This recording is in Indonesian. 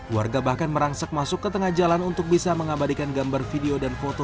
warga bahkan merangsak masuk ke tengah jalan untuk bisa mengabadikan gambar video dan foto